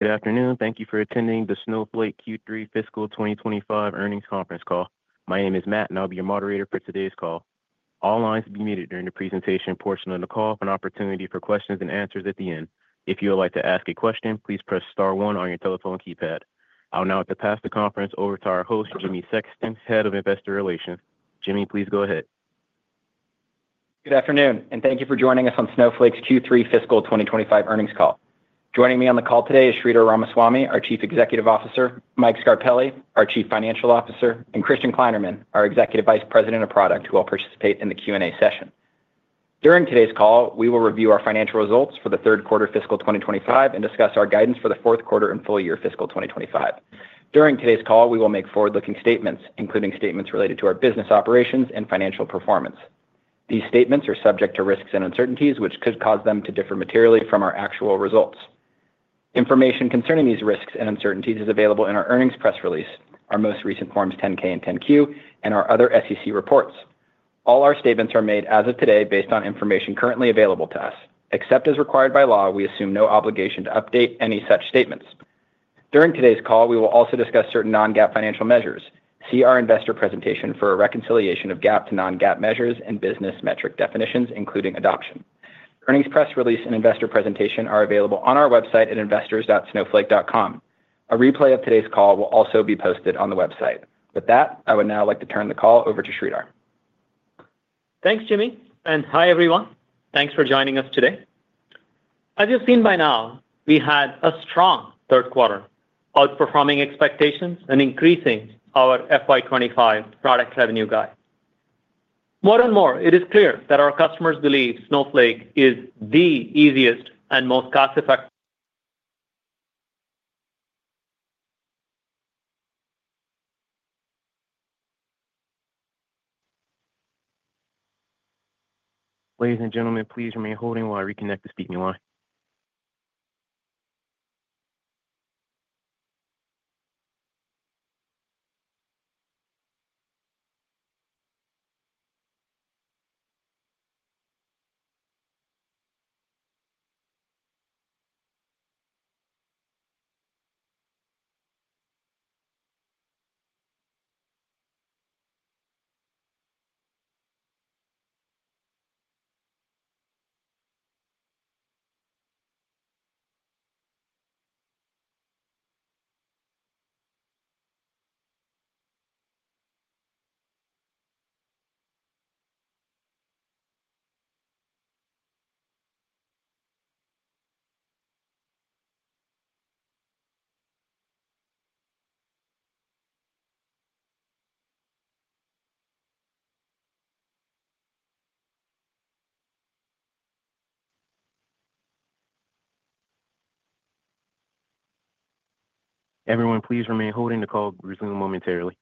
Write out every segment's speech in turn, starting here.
Good afternoon. Thank you for attending the Snowflake Q3 Fiscal 2025 earnings conference call. My name is Matt, and I'll be your moderator for today's call. All lines will be muted during the presentation portion of the call for an opportunity for questions and answers at the end. If you would like to ask a question, please press star one on your telephone keypad. I'll now pass the conference over to our host, Jimmy Sexton, Head of Investor Relations. Jimmy, please go ahead. Good afternoon, and thank you for joining us on Snowflake's Q3 Fiscal 2025 earnings call. Joining me on the call today is Sridhar Ramaswamy, our Chief Executive Officer, Mike Scarpelli, our Chief Financial Officer, and Christian Kleinerman, our Executive Vice President of Product, who will participate in the Q&A session. During today's call, we will review our financial results for the third quarter fiscal 2025 and discuss our guidance for the fourth quarter and full year fiscal 2025. During today's call, we will make forward-looking statements, including statements related to our business operations and financial performance. These statements are subject to risks and uncertainties, which could cause them to differ materially from our actual results. Information concerning these risks and uncertainties is available in our earnings press release, our most recent Forms 10-K and 10-Q, and our other SEC reports. All our statements are made as of today based on information currently available to us. Except as required by law, we assume no obligation to update any such statements. During today's call, we will also discuss certain non-GAAP financial measures. See our investor presentation for a reconciliation of GAAP to non-GAAP measures and business metric definitions, including adoption. Earnings press release and investor presentation are available on our website at investors.snowflake.com. A replay of today's call will also be posted on the website. With that, I would now like to turn the call over to Sridhar. Thanks, Jimmy. And hi, everyone. Thanks for joining us today. As you've seen by now, we had a strong third quarter, outperforming expectations and increasing our FY2025 product revenue guide. More and more, it is clear that our customers believe Snowflake is the easiest and most cost-effective. Ladies and gentlemen, please remain holding while I reconnect to speak to you online. Everyone, please remain holding the call. Resume momentarily.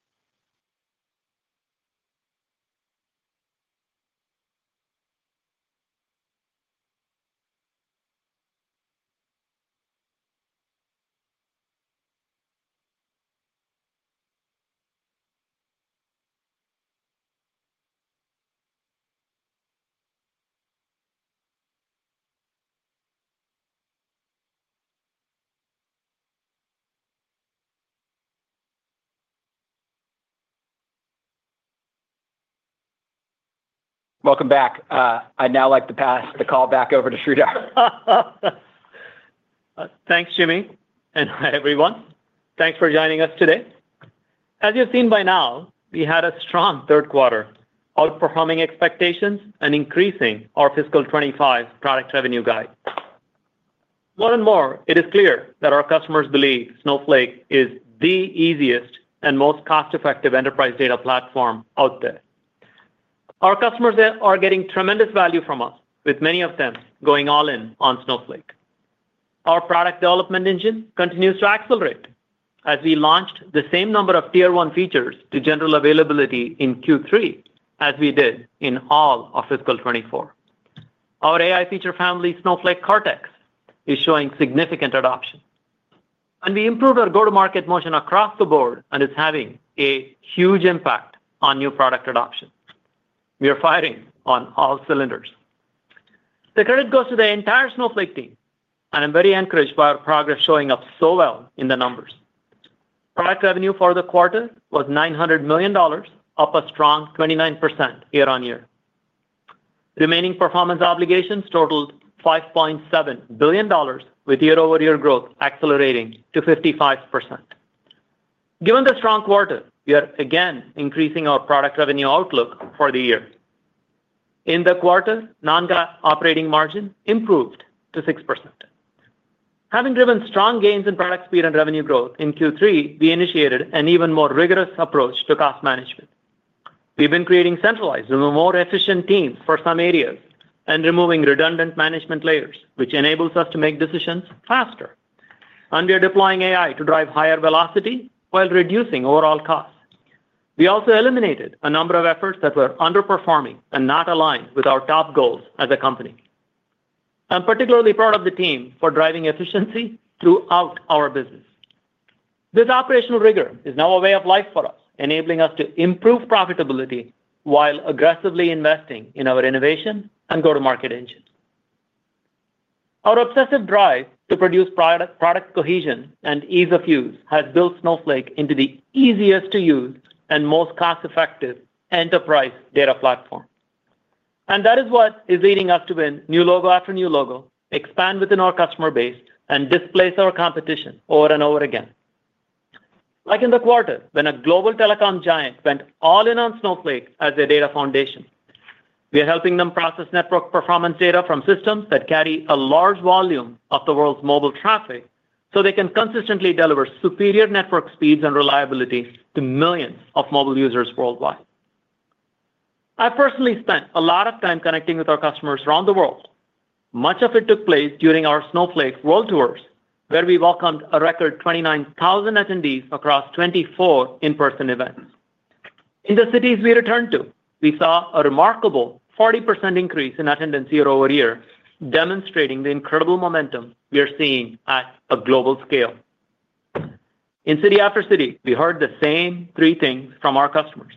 Welcome back. I'd now like to pass the call back over to Sridhar. Thanks, Jimmy, and hi, everyone. Thanks for joining us today. As you've seen by now, we had a strong third quarter, outperforming expectations and increasing our fiscal 2025 product revenue guide. More and more, it is clear that our customers believe Snowflake is the easiest and most cost-effective enterprise data platform out there. Our customers are getting tremendous value from us, with many of them going all in on Snowflake. Our product development engine continues to accelerate as we launched the same number of tier one features to general availability in Q3 as we did in all of fiscal 2024. Our AI feature family, Snowflake Cortex, is showing significant adoption, and we improved our go-to-market motion across the board and is having a huge impact on new product adoption. We are firing on all cylinders. The credit goes to the entire Snowflake team, and I'm very encouraged by our progress showing up so well in the numbers. Product revenue for the quarter was $900 million, up a strong 29% year-over-year. Remaining performance obligations totaled $5.7 billion, with year-over-year growth accelerating to 55%. Given the strong quarter, we are again increasing our product revenue outlook for the year. In the quarter, non-GAAP operating margin improved to 6%. Having driven strong gains in product speed and revenue growth in Q3, we initiated an even more rigorous approach to cost management. We've been creating centralized and more efficient teams for some areas and removing redundant management layers, which enables us to make decisions faster. And we are deploying AI to drive higher velocity while reducing overall costs. We also eliminated a number of efforts that were underperforming and not aligned with our top goals as a company. I'm particularly proud of the team for driving efficiency throughout our business. This operational rigor is now a way of life for us, enabling us to improve profitability while aggressively investing in our innovation and go-to-market engine. Our obsessive drive to produce product cohesion and ease of use has built Snowflake into the easiest-to-use and most cost-effective enterprise data platform, and that is what is leading us to win new logo after new logo, expand within our customer base, and displace our competition over and over again. Like in the quarter when a global telecom giant went all in on Snowflake as a data foundation, we are helping them process network performance data from systems that carry a large volume of the world's mobile traffic so they can consistently deliver superior network speeds and reliability to millions of mobile users worldwide. I've personally spent a lot of time connecting with our customers around the world. Much of it took place during our Snowflake World Tours, where we welcomed a record 29,000 attendees across 24 in-person events. In the cities we returned to, we saw a remarkable 40% increase in attendance year-over year, demonstrating the incredible momentum we are seeing at a global scale. In city after city, we heard the same three things from our customers: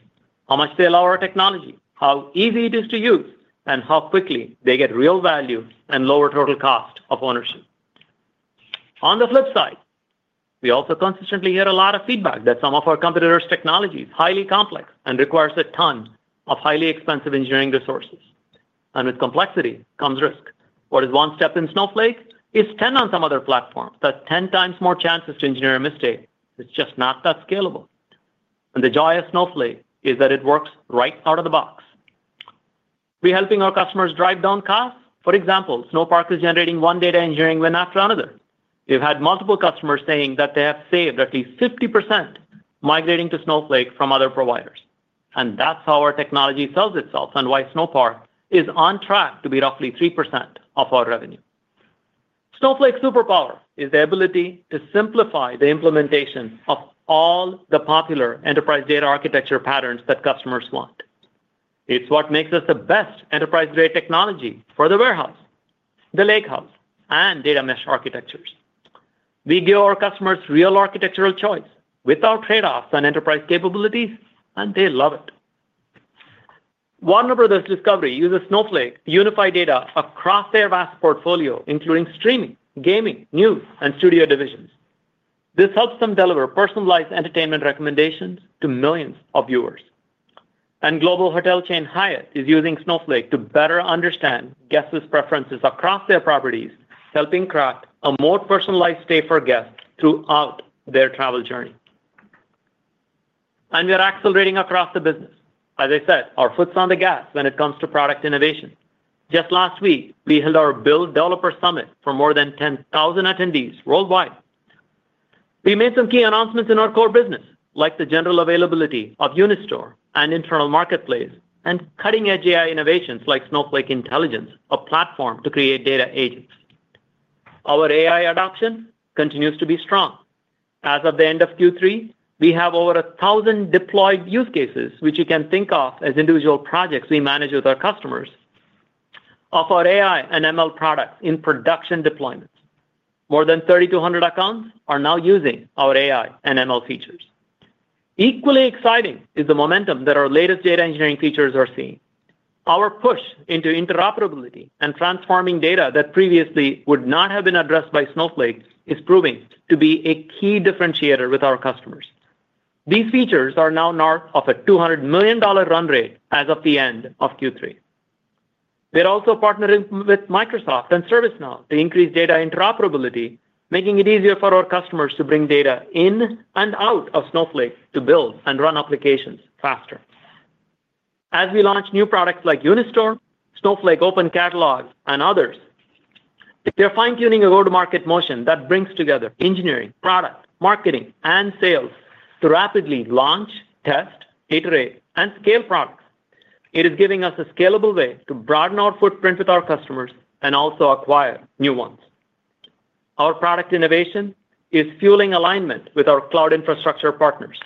how much they love our technology, how easy it is to use, and how quickly they get real value and lower total cost of ownership. On the flip side, we also consistently hear a lot of feedback that some of our competitors' technology is highly complex and requires a ton of highly expensive engineering resources. And with complexity comes risk. What is one step in Snowflake is 10 on some other platforms. That's 10 times more chances to engineer a mistake. It's just not that scalable. And the joy of Snowflake is that it works right out of the box. We're helping our customers drive down costs. For example, Snowpark is generating one data engineering win after another. We've had multiple customers saying that they have saved at least 50% migrating to Snowflake from other providers. That's how our technology sells itself and why Snowpark is on track to be roughly 3% of our revenue. Snowflake's superpower is the ability to simplify the implementation of all the popular enterprise data architecture patterns that customers want. It's what makes us the best enterprise-grade technology for the warehouse, the lakehouse, and data mesh architectures. We give our customers real architectural choice without trade-offs on enterprise capabilities, and they love it. Warner Bros. Discovery uses Snowflake to unify data across their vast portfolio, including streaming, gaming, news, and studio divisions. This helps them deliver personalized entertainment recommendations to millions of viewers. Global hotel chain Hyatt is using Snowflake to better understand guests' preferences across their properties, helping craft a more personalized stay for guests throughout their travel journey. We are accelerating across the business. As I said, our foot's on the gas when it comes to product innovation. Just last week, we held our BUILD Developer Summit for more than 10,000 attendees worldwide. We made some key announcements in our core business, like the general availability of Unistore and internal marketplace, and cutting-edge AI innovations like Snowflake Intelligence, a platform to create data agents. Our AI adoption continues to be strong. As of the end of Q3, we have over 1,000 deployed use cases, which you can think of as individual projects we manage with our customers, of our AI and ML products in production deployments. More than 3,200 accounts are now using our AI and ML features. Equally exciting is the momentum that our latest data engineering features are seeing. Our push into interoperability and transforming data that previously would not have been addressed by Snowflake is proving to be a key differentiator with our customers. These features are now north of a $200 million run rate as of the end of Q3. We are also partnering with Microsoft and ServiceNow to increase data interoperability, making it easier for our customers to bring data in and out of Snowflake to build and run applications faster. As we launch new products like Unistore, Snowflake Open Catalog, and others, they're fine-tuning a go-to-market motion that brings together engineering, product, marketing, and sales to rapidly launch, test, iterate, and scale products. It is giving us a scalable way to broaden our footprint with our customers and also acquire new ones. Our product innovation is fueling alignment with our cloud infrastructure partners.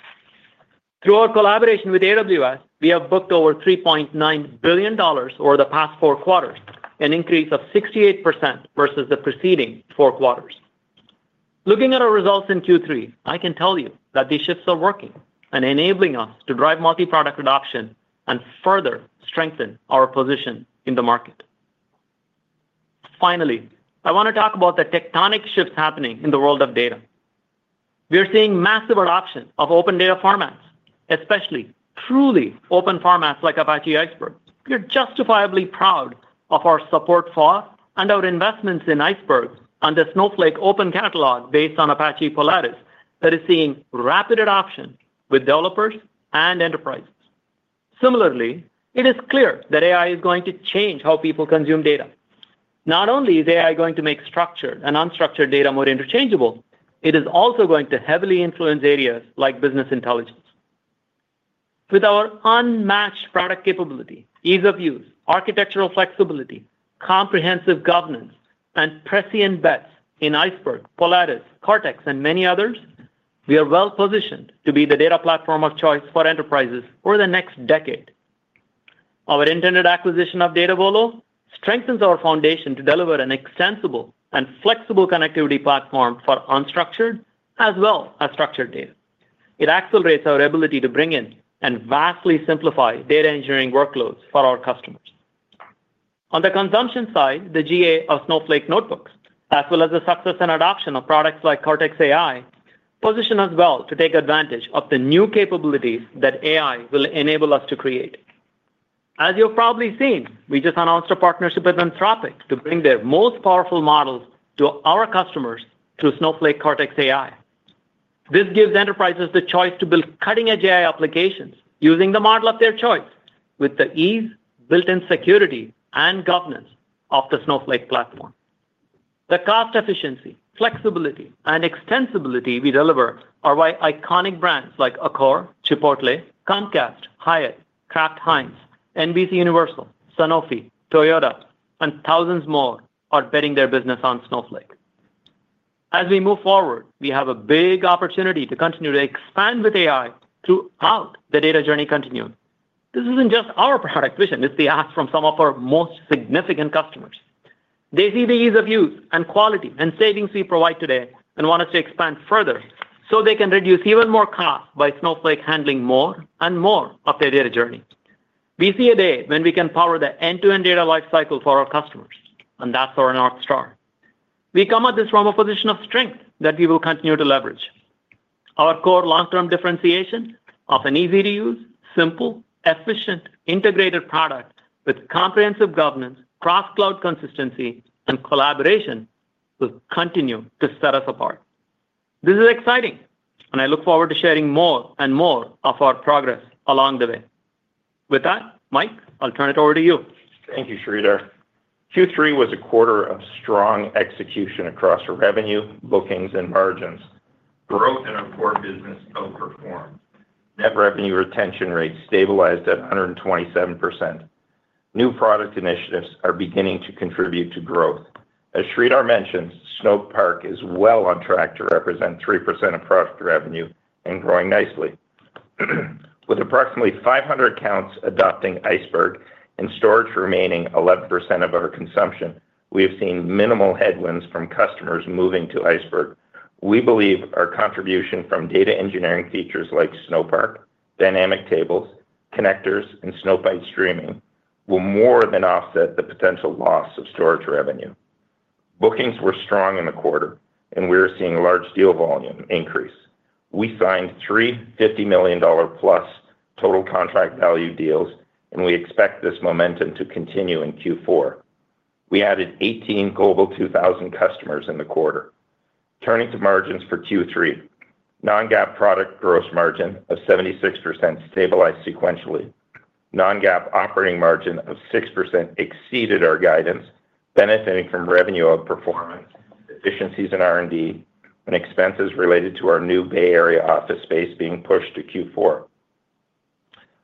Through our collaboration with AWS, we have booked over $3.9 billion over the past four quarters, an increase of 68% versus the preceding four quarters. Looking at our results in Q3, I can tell you that these shifts are working and enabling us to drive multi-product adoption and further strengthen our position in the market. Finally, I want to talk about the tectonic shifts happening in the world of data. We are seeing massive adoption of open data formats, especially truly open formats like Apache Iceberg. We are justifiably proud of our support for and our investments in Iceberg and the Snowflake Open Catalog based on Apache Polaris that is seeing rapid adoption with developers and enterprises. Similarly, it is clear that AI is going to change how people consume data. Not only is AI going to make structured and unstructured data more interchangeable, it is also going to heavily influence areas like business intelligence. With our unmatched product capability, ease of use, architectural flexibility, comprehensive governance, and prescient bets in Iceberg, Polaris, Cortex, and many others, we are well positioned to be the data platform of choice for enterprises for the next decade. Our intended acquisition of Datavolo strengthens our foundation to deliver an extensible and flexible connectivity platform for unstructured as well as structured data. It accelerates our ability to bring in and vastly simplify data engineering workloads for our customers. On the consumption side, the GA of Snowflake Notebooks, as well as the success and adoption of products like Cortex AI, position us well to take advantage of the new capabilities that AI will enable us to create. As you've probably seen, we just announced a partnership with Anthropic to bring their most powerful models to our customers through Snowflake Cortex AI. This gives enterprises the choice to build cutting-edge AI applications using the model of their choice with the ease, built-in security, and governance of the Snowflake platform. The cost efficiency, flexibility, and extensibility we deliver are why iconic brands like Accor, Chipotle, Comcast, Hyatt, Kraft Heinz, NBCUniversal, Sanofi, Toyota, and thousands more are betting their business on Snowflake. As we move forward, we have a big opportunity to continue to expand with AI throughout the data journey continuum. This isn't just our product vision. It's the ask from some of our most significant customers. They see the ease of use and quality and savings we provide today and want us to expand further so they can reduce even more costs by Snowflake handling more and more of their data journey. We see a day when we can power the end-to-end data lifecycle for our customers, and that's our North Star. We come at this from a position of strength that we will continue to leverage. Our core long-term differentiation of an easy-to-use, simple, efficient, integrated product with comprehensive governance, cross-cloud consistency, and collaboration will continue to set us apart. This is exciting, and I look forward to sharing more and more of our progress along the way. With that, Mike, I'll turn it over to you. Thank you, Sridhar. Q3 was a quarter of strong execution across revenue, bookings, and margins. Growth in our core business overperformed. Net revenue retention rate stabilized at 127%. New product initiatives are beginning to contribute to growth. As Sridhar mentioned, Snowpark is well on track to represent 3% of product revenue and growing nicely. With approximately 500 accounts adopting Iceberg and storage remaining 11% of our consumption, we have seen minimal headwinds from customers moving to Iceberg. We believe our contribution from data engineering features like Snowpark, Dynamic Tables, connectors, and Snowpipe Streaming will more than offset the potential loss of storage revenue. Bookings were strong in the quarter, and we are seeing large deal volume increase. We signed three $50 million-plus total contract value deals, and we expect this momentum to continue in Q4. We added 18 Global 2000 customers in the quarter. Turning to margins for Q3, non-GAAP product gross margin of 76% stabilized sequentially. Non-GAAP operating margin of 6% exceeded our guidance, benefiting from revenue outperformance, efficiencies in R&D, and expenses related to our new Bay Area office space being pushed to Q4.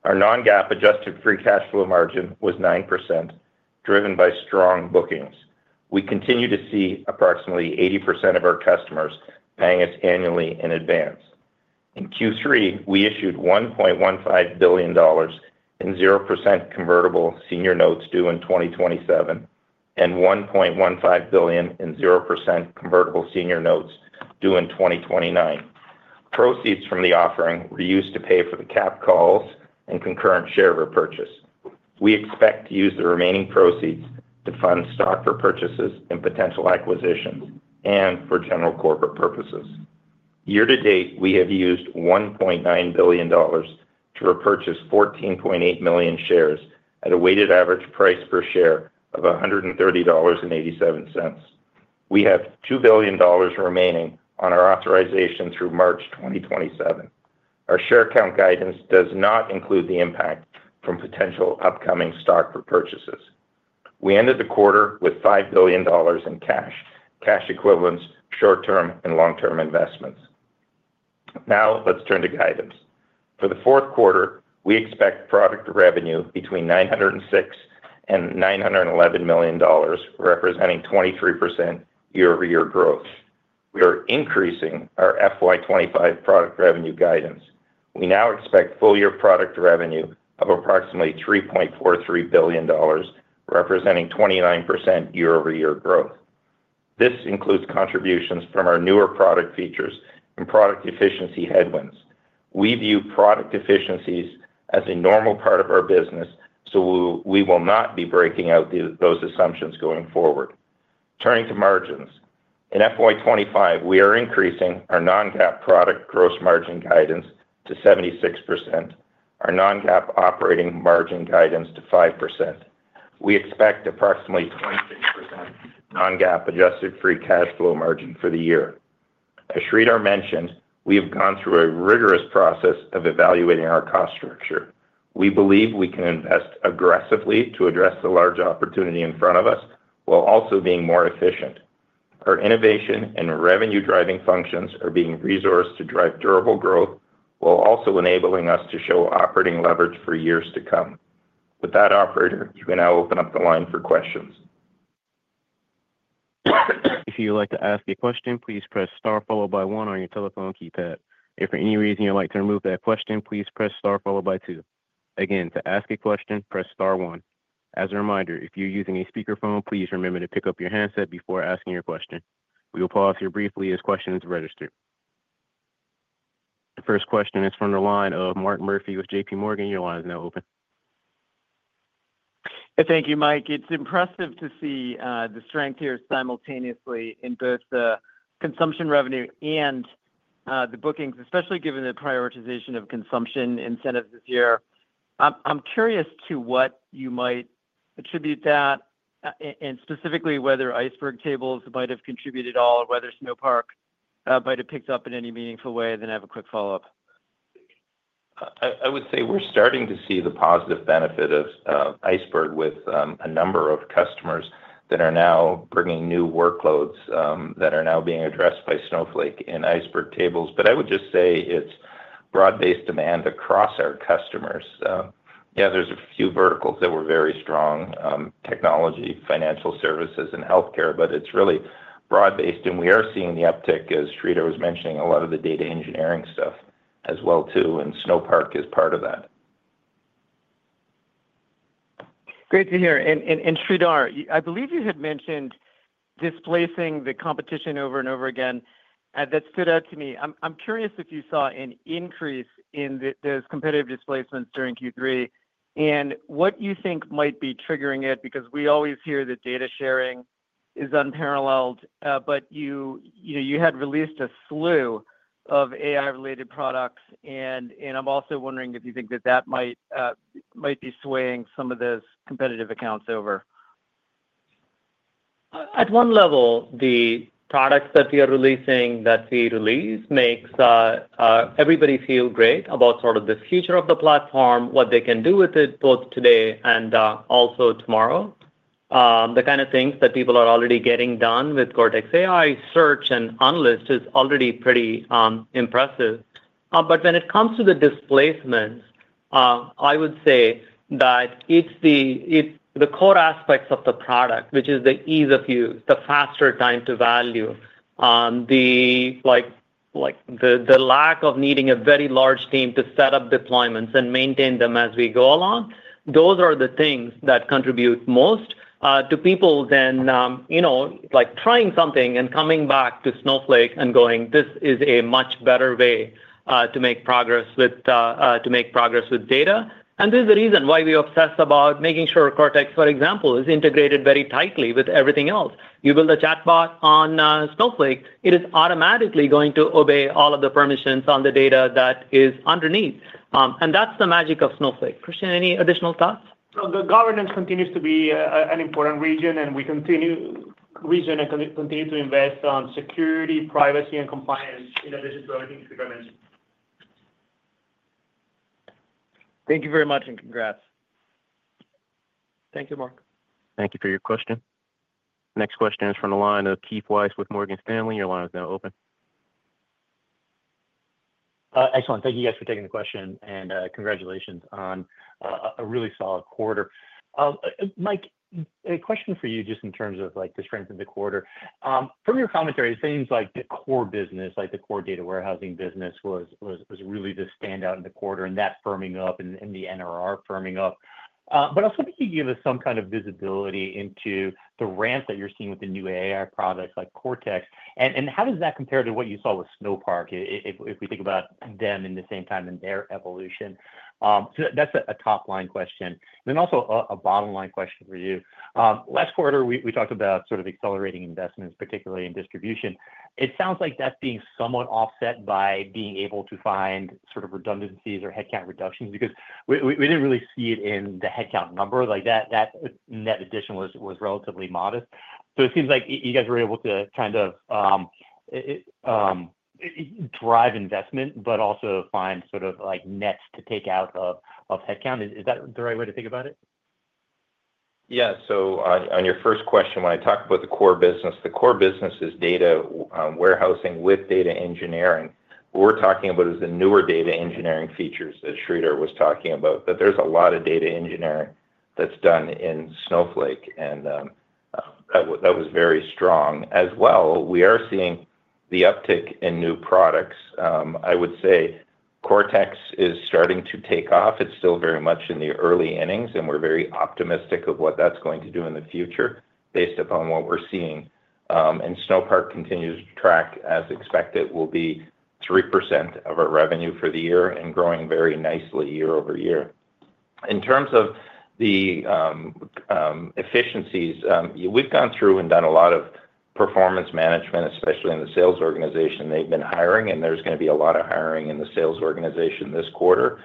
Our non-GAAP adjusted free cash flow margin was 9%, driven by strong bookings. We continue to see approximately 80% of our customers paying us annually in advance. In Q3, we issued $1.15 billion in 0% convertible senior notes due in 2027 and $1.15 billion in 0% convertible senior notes due in 2029. Proceeds from the offering were used to pay for the capped calls and concurrent share repurchase. We expect to use the remaining proceeds to fund stock repurchases and potential acquisitions and for general corporate purposes. Year-to-date, we have used $1.9 billion to repurchase 14.8 million shares at a weighted average price per share of $130.87. We have $2 billion remaining on our authorization through March 2027. Our share count guidance does not include the impact from potential upcoming stock repurchases. We ended the quarter with $5 billion in cash, cash equivalents, short-term and long-term investments. Now let's turn to guidance. For the fourth quarter, we expect product revenue between $906 and $911 million, representing 23% year-over-year growth. We are increasing our FY2025 product revenue guidance. We now expect full-year product revenue of approximately $3.43 billion, representing 29% year-over-year growth. This includes contributions from our newer product features and product efficiency headwinds. We view product efficiencies as a normal part of our business, so we will not be breaking out those assumptions going forward. Turning to margins, in FY2025, we are increasing our non-GAAP product gross margin guidance to 76%, our non-GAAP operating margin guidance to 5%. We expect approximately 26% non-GAAP adjusted free cash flow margin for the year. As Sridhar mentioned, we have gone through a rigorous process of evaluating our cost structure. We believe we can invest aggressively to address the large opportunity in front of us while also being more efficient. Our innovation and revenue-driving functions are being resourced to drive durable growth while also enabling us to show operating leverage for years to come. With that, operator, you can now open up the line for questions. If you would like to ask a question, please press Star followed by 1 on your telephone keypad. If for any reason you'd like to remove that question, please press Star followed by 2. Again, to ask a question, press Star 1. As a reminder, if you're using a speakerphone, please remember to pick up your handset before asking your question. We will pause here briefly as questions are registered. The first question is from the line of Mark Murphy with JPMorgan. Your line is now open. Thank you, Mike. It's impressive to see the strength here simultaneously in both the consumption revenue and the bookings, especially given the prioritization of consumption incentives this year. I'm curious to what you might attribute that and specifically whether Iceberg Tables might have contributed at all or whether Snowpark might have picked up in any meaningful way. Then I have a quick follow-up. I would say we're starting to see the positive benefit of Iceberg with a number of customers that are now bringing new workloads that are now being addressed by Snowflake in Iceberg Tables. But I would just say it's broad-based demand across our customers. Yeah, there's a few verticals that were very strong: technology, financial services, and healthcare, but it's really broad-based. And we are seeing the uptick, as Sridhar was mentioning, a lot of the data engineering stuff as well too, and Snowpark is part of that. Great to hear. And Sridhar, I believe you had mentioned displacing the competition over and over again. That stood out to me. I'm curious if you saw an increase in those competitive displacements during Q3 and what you think might be triggering it, because we always hear that data sharing is unparalleled, but you had released a slew of AI-related products. And I'm also wondering if you think that that might be swaying some of those competitive accounts over. At one level, the products that we are releasing make everybody feel great about sort of the future of the platform, what they can do with it both today and also tomorrow. The kind of things that people are already getting done with Cortex AI, Search, and Unistore is already pretty impressive. But when it comes to the displacements, I would say that it's the core aspects of the product, which is the ease of use, the faster time to value, the lack of needing a very large team to set up deployments and maintain them as we go along. Those are the things that contribute most to people than trying something and coming back to Snowflake and going, "This is a much better way to make progress with data." And this is the reason why we're obsessed about making sure Cortex, for example, is integrated very tightly with everything else. You build a chatbot on Snowflake, it is automatically going to obey all of the permissions on the data that is underneath. And that's the magic of Snowflake. Christian, any additional thoughts? The government continues to be an important region, and we continue to invest in security, privacy, and compliance in addition to everything Sridhar mentioned. Thank you very much and congrats. Thank you, Mark. Thank you for your question. Next question is from the line of Keith Weiss with Morgan Stanley. Your line is now open. Excellent. Thank you, guys, for taking the question and congratulations on a really solid quarter. Mike, a question for you just in terms of the strength of the quarter. From your commentary, it seems like the core business, like the core data warehousing business, was really the standout in the quarter and that firming up and the NRR firming up. But I was hoping you'd give us some kind of visibility into the ramp that you're seeing with the new AI products like Cortex. And how does that compare to what you saw with Snowpark if we think about them in the same time and their evolution? So that's a top-line question. And then also a bottom-line question for you. Last quarter, we talked about sort of accelerating investments, particularly in distribution. It sounds like that's being somewhat offset by being able to find sort of redundancies or headcount reductions because we didn't really see it in the headcount number. That net addition was relatively modest. So it seems like you guys were able to kind of drive investment but also find sort of nets to take out of headcount. Is that the right way to think about it? Yeah. So, on your first question, when I talked about the core business, the core business is data warehousing with data engineering. What we're talking about is the newer data engineering features that Sridhar was talking about, that there's a lot of data engineering that's done in Snowflake, and that was very strong. As well, we are seeing the uptick in new products. I would say Cortex is starting to take off. It's still very much in the early innings, and we're very optimistic of what that's going to do in the future based upon what we're seeing. And Snowpark continues to track, as expected, will be 3% of our revenue for the year and growing very nicely year-over-year. In terms of the efficiencies, we've gone through and done a lot of performance management, especially in the sales organization. They've been hiring, and there's going to be a lot of hiring in the sales organization this quarter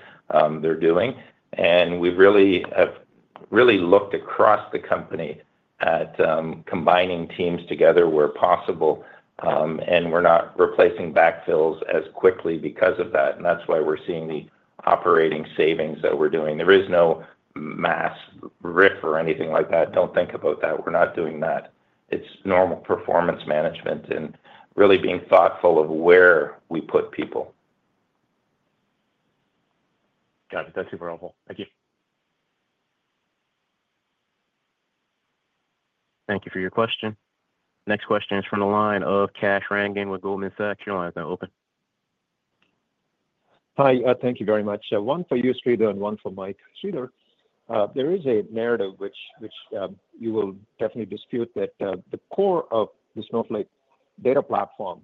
they're doing. And we've really looked across the company at combining teams together where possible, and we're not replacing backfills as quickly because of that. And that's why we're seeing the operating savings that we're doing. There is no mass RIF or anything like that. Don't think about that. We're not doing that. It's normal performance management and really being thoughtful of where we put people. Gotcha. That's super helpful. Thank you. Thank you for your question. Next question is from the line of Kash Rangan with Goldman Sachs. Your line is now open. Hi. Thank you very much. One for you, Sridhar, and one for Mike. Sridhar, there is a narrative which you will definitely dispute that the core of the Snowflake data platform,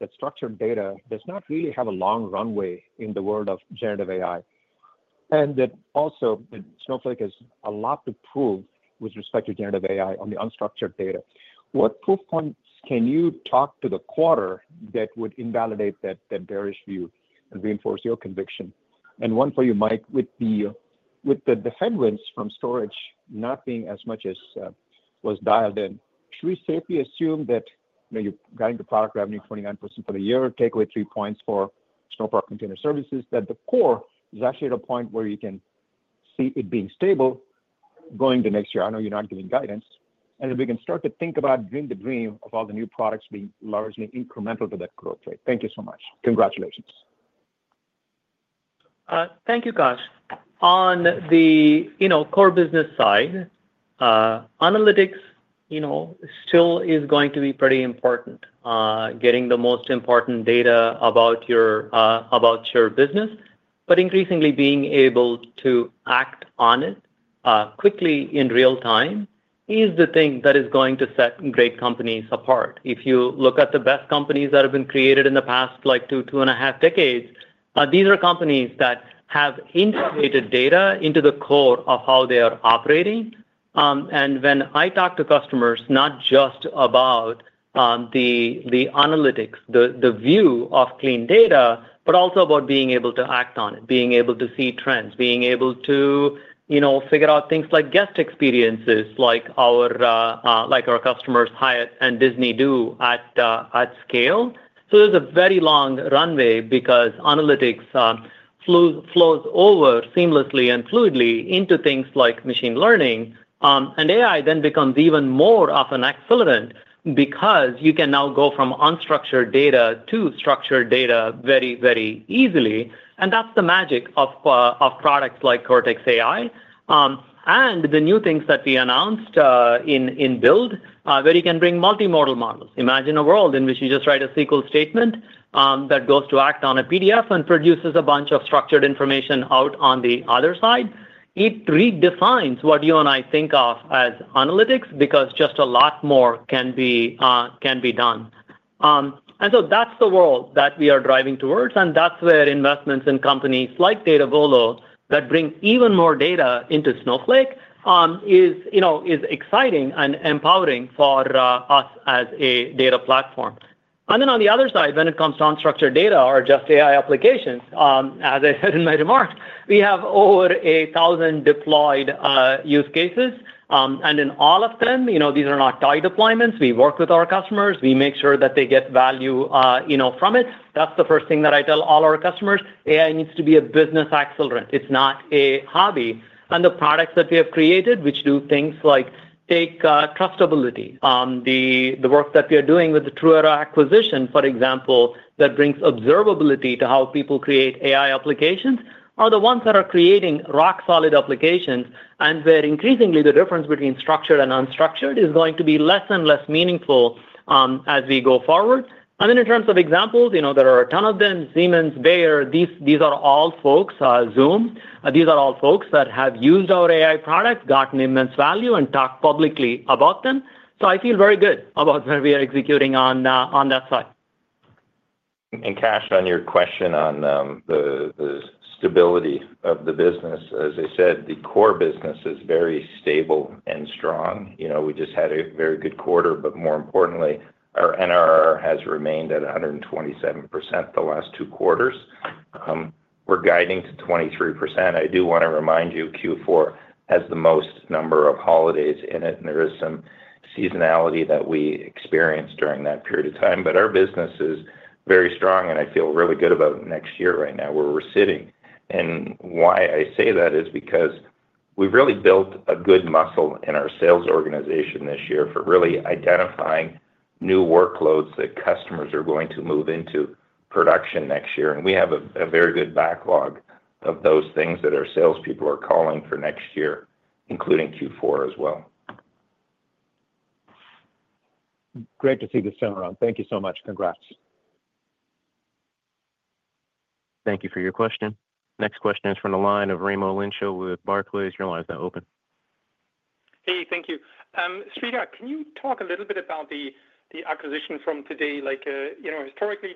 that structured data, does not really have a long runway in the world of generative AI. And that also, Snowflake has a lot to prove with respect to generative AI on the unstructured data. What proof points can you talk to the quarter that would invalidate that bearish view and reinforce your conviction? And one for you, Mike, with the headwinds from storage not being as much as was dialed in, should we safely assume that you're guiding the product revenue 29% for the year, take away three points for Snowpark Container Services, that the core is actually at a point where you can see it being stable going the next year? I know you're not giving guidance. Then we can start to think about the dream of all the new products being largely incremental to that growth rate. Thank you so much. Congratulations. Thank you, Kash. On the core business side, analytics still is going to be pretty important, getting the most important data about your business, but increasingly, being able to act on it quickly in real time is the thing that is going to set great companies apart. If you look at the best companies that have been created in the past, like two, two and a half decades, these are companies that have integrated data into the core of how they are operating, and when I talk to customers, not just about the analytics, the view of clean data, but also about being able to act on it, being able to see trends, being able to figure out things like guest experiences like our customers Hyatt and Disney do at scale, so there's a very long runway because analytics flows over seamlessly and fluidly into things like machine learning. And AI then becomes even more of an accelerant because you can now go from unstructured data to structured data very, very easily. And that's the magic of products like Cortex AI and the new things that we announced in BUILD, where you can bring multimodal models. Imagine a world in which you just write a SQL statement that goes to act on a PDF and produces a bunch of structured information out on the other side. It redefines what you and I think of as analytics because just a lot more can be done. And so that's the world that we are driving towards. And that's where investments in companies like Datavolo that bring even more data into Snowflake is exciting and empowering for us as a data platform. And then on the other side, when it comes to unstructured data or just AI applications, as I said in my remarks, we have over 1,000 deployed use cases. And in all of them, these are not tied deployments. We work with our customers. We make sure that they get value from it. That's the first thing that I tell all our customers. AI needs to be a business accelerant. It's not a hobby. And the products that we have created, which do things like take trustability, the work that we are doing with the TruEra acquisition, for example, that brings observability to how people create AI applications, are the ones that are creating rock-solid applications. And where increasingly the difference between structured and unstructured is going to be less and less meaningful as we go forward. And then in terms of examples, there are a ton of them. Siemens, Bayer, these are all folks, Zoom. These are all folks that have used our AI product, gotten immense value, and talked publicly about them. So I feel very good about where we are executing on that side. And Kash, on your question on the stability of the business, as I said, the core business is very stable and strong. We just had a very good quarter, but more importantly, our NRR has remained at 127% the last two quarters. We're guiding to 23%. I do want to remind you Q4 has the most number of holidays in it, and there is some seasonality that we experienced during that period of time. But our business is very strong, and I feel really good about next year right now where we're sitting. And why I say that is because we've really built a good muscle in our sales organization this year for really identifying new workloads that customers are going to move into production next year. And we have a very good backlog of those things that our salespeople are calling for next year, including Q4 as well. Great to see this turnaround. Thank you so much. Congrats. Thank you for your question. Next question is from the line of Raimo Lenschow with Barclays. Your line is now open. Hey, thank you. Sridhar, can you talk a little bit about the acquisition from today? Historically,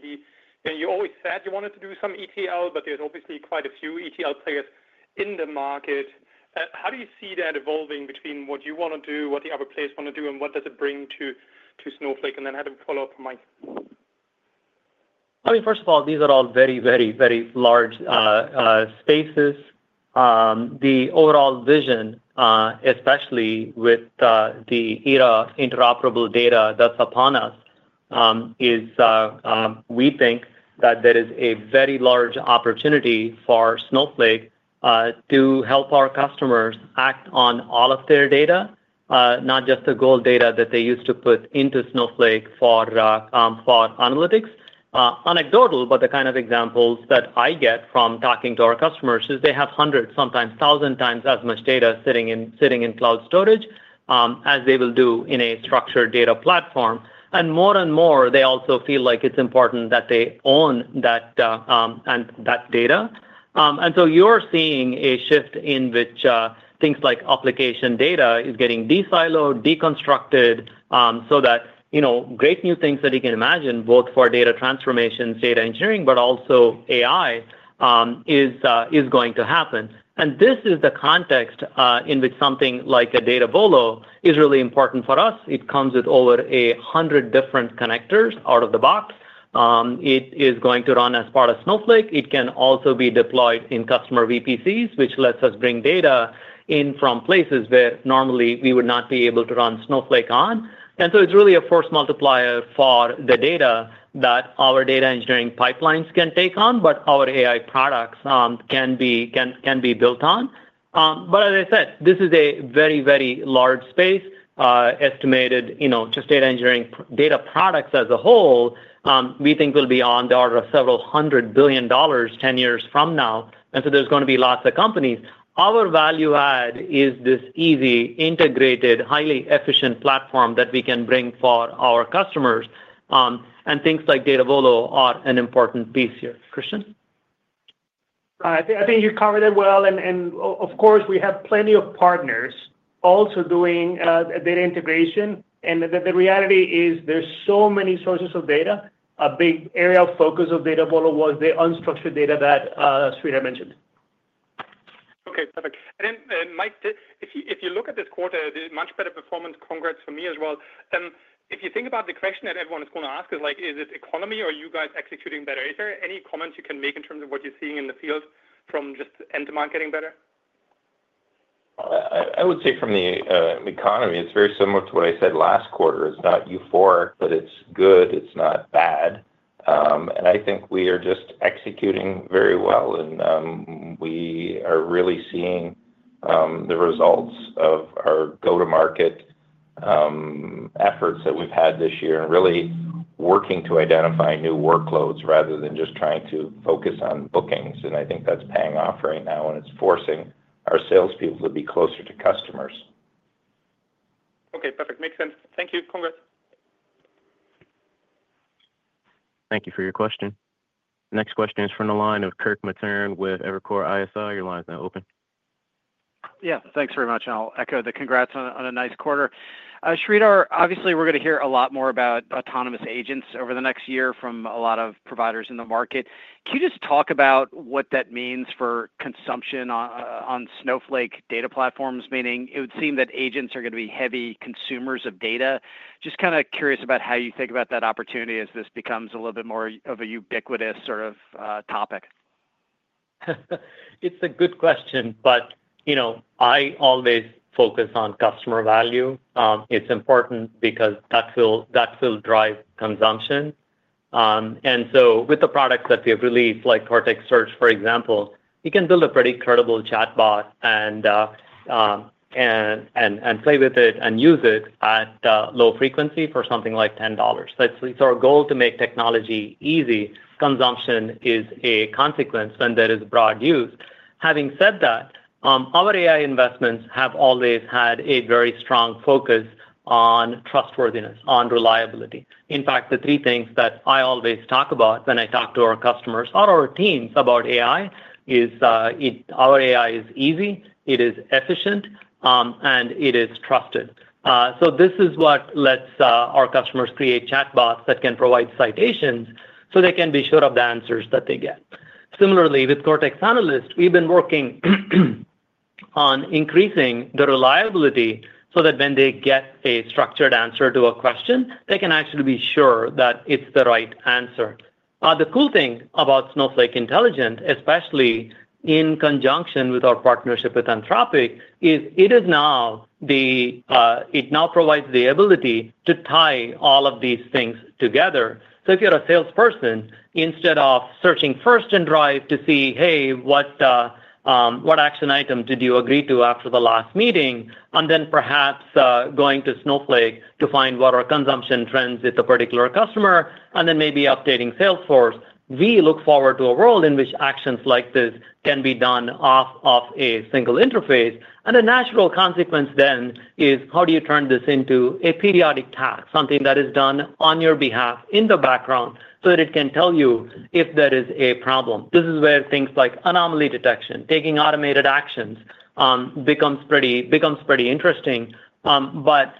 you always said you wanted to do some ETL, but there's obviously quite a few ETL players in the market. How do you see that evolving between what you want to do, what the other players want to do, and what does it bring to Snowflake? And then I have a follow-up from Mike. I mean, first of all, these are all very, very, very large spaces. The overall vision, especially with the era of interoperable data that's upon us, is we think that there is a very large opportunity for Snowflake to help our customers act on all of their data, not just the gold data that they used to put into Snowflake for analytics. Anecdotal, but the kind of examples that I get from talking to our customers is they have hundreds, sometimes 1000x as much data sitting in cloud storage as they will do in a structured data platform. And more and more, they also feel like it's important that they own that data. And so you're seeing a shift in which things like application data is getting de-siloed, deconstructed so that great new things that you can imagine, both for data transformations, data engineering, but also AI, is going to happen. And this is the context in which something like a Datavolo is really important for us. It comes with over 100 different connectors out of the box. It is going to run as part of Snowflake. It can also be deployed in customer VPCs, which lets us bring data in from places where normally we would not be able to run Snowflake on. And so it's really a force multiplier for the data that our data engineering pipelines can take on, but our AI products can be built on. But as I said, this is a very, very large space. Estimated just data engineering data products as a whole, we think will be on the order of several hundred billion dollars 10 years from now. And so there's going to be lots of companies. Our value add is this easy, integrated, highly efficient platform that we can bring for our customers. And things like Datavolo are an important piece here. Christian? I think you covered it well, and of course, we have plenty of partners also doing data integration, and the reality is there's so many sources of data. A big area of focus of Datavolo was the unstructured data that Sridhar mentioned. Okay. Perfect, and Mike, if you look at this quarter, much better performance. Congrats from me as well. If you think about the question that everyone is going to ask, is it the economy or are you guys executing better? Is there any comments you can make in terms of what you're seeing in the field from just end-to-end marketing better? I would say from the economy, it's very similar to what I said last quarter. It's not euphoric, but it's good. It's not bad. And I think we are just executing very well. And we are really seeing the results of our go-to-market efforts that we've had this year and really working to identify new workloads rather than just trying to focus on bookings. And I think that's paying off right now, and it's forcing our salespeople to be closer to customers. Okay. Perfect. Makes sense. Thank you. Congrats. Thank you for your question. Next question is from the line of Kirk Materne with Evercore ISI. Your line is now open. Yeah. Thanks very much. And I'll echo the congrats on a nice quarter. Sridhar, obviously, we're going to hear a lot more about autonomous agents over the next year from a lot of providers in the market. Can you just talk about what that means for consumption on Snowflake data platforms? Meaning, it would seem that agents are going to be heavy consumers of data. Just kind of curious about how you think about that opportunity as this becomes a little bit more of a ubiquitous sort of topic. It's a good question, but I always focus on customer value. It's important because that will drive consumption. And so with the products that we have released, like Cortex Search, for example, you can build a pretty credible chatbot and play with it and use it at low frequency for something like $10. It's our goal to make technology easy. Consumption is a consequence when there is broad use. Having said that, our AI investments have always had a very strong focus on trustworthiness, on reliability. In fact, the three things that I always talk about when I talk to our customers or our teams about AI is our AI is easy, it is efficient, and it is trusted. So this is what lets our customers create chatbots that can provide citations so they can be sure of the answers that they get. Similarly, with Cortex Analyst, we've been working on increasing the reliability so that when they get a structured answer to a question, they can actually be sure that it's the right answer. The cool thing about Snowflake Intelligence, especially in conjunction with our partnership with Anthropic, is that it now provides the ability to tie all of these things together. So if you're a salesperson, instead of searching first in Drive to see, "Hey, what action item did you agree to after the last meeting?" and then perhaps going to Snowflake to find what are consumption trends with a particular customer, and then maybe updating Salesforce, we look forward to a world in which actions like this can be done off of a single interface. And the natural consequence then is, how do you turn this into a periodic task, something that is done on your behalf in the background so that it can tell you if there is a problem? This is where things like anomaly detection, taking automated actions, becomes pretty interesting. But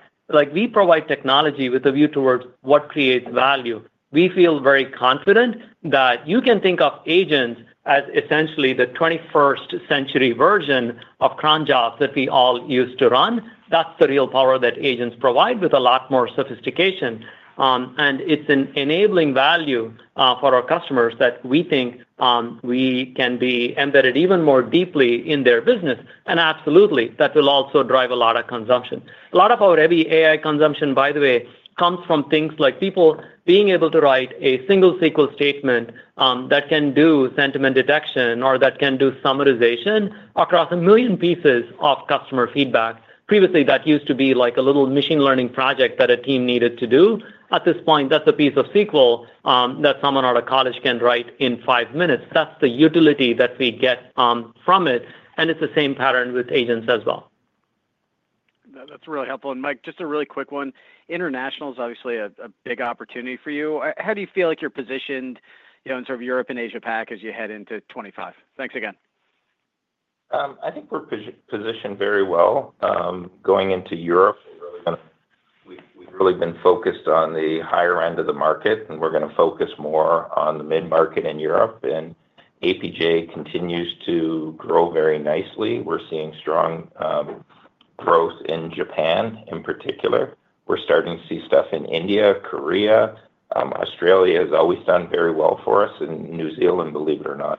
we provide technology with a view towards what creates value. We feel very confident that you can think of agents as essentially the 21st-century version of cron jobs that we all used to run. That's the real power that agents provide with a lot more sophistication. And it's an enabling value for our customers that we think we can be embedded even more deeply in their business. And absolutely, that will also drive a lot of consumption. A lot of our heavy AI consumption, by the way, comes from things like people being able to write a single SQL statement that can do sentiment detection or that can do summarization across a million pieces of customer feedback. Previously, that used to be like a little machine learning project that a team needed to do. At this point, that's a piece of SQL that someone out of college can write in five minutes. That's the utility that we get from it, and it's the same pattern with agents as well. That's really helpful. And Mike, just a really quick one. International is obviously a big opportunity for you. How do you feel like you're positioned in sort of Europe and Asia Pacific as you head into 2025? Thanks again. I think we're positioned very well. Going into Europe, we've really been focused on the higher end of the market, and we're going to focus more on the mid-market in Europe. And APJ continues to grow very nicely. We're seeing strong growth in Japan, in particular. We're starting to see stuff in India, Korea. Australia has always done very well for us. And New Zealand, believe it or not,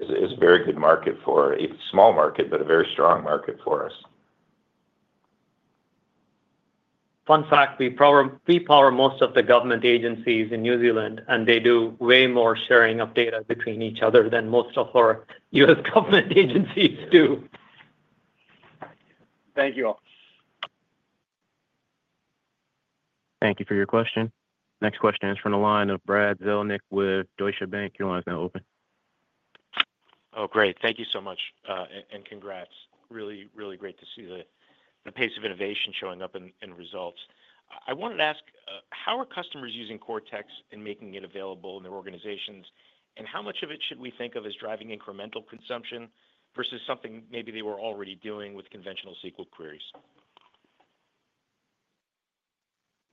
is a very good market for a small market, but a very strong market for us. Fun fact, we power most of the government agencies in New Zealand, and they do way more sharing of data between each other than most of our US government agencies do. Thank you all. Thank you for your question. Next question is from the line of Brad Zelnick with Deutsche Bank. Your line is now open. Oh, great. Thank you so much. And congrats. Really, really great to see the pace of innovation showing up in results. I wanted to ask, how are customers using Cortex and making it available in their organizations? And how much of it should we think of as driving incremental consumption versus something maybe they were already doing with conventional SQL queries?